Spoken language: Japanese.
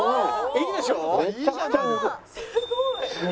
いいでしょ？